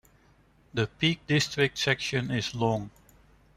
The Peak District section is long.